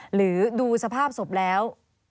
หรือดูสภาพศพแล้ว